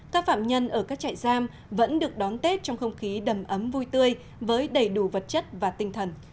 các phạm nhân ở các trại giam vẫn được đón tết trong không khí đầm ấm vui tươi với đầy đủ vật chất và tinh thần